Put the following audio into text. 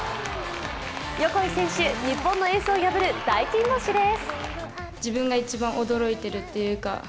横井選手、日本のエースを破る大金星です。